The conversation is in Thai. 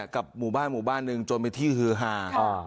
กับหมู่บ้านหมู่บ้านหนึ่งจนเป็นที่ฮือฮา